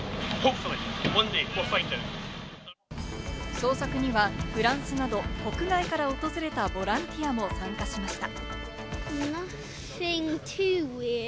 捜索には、フランスなど、国外から訪れたボランティアも参加しました。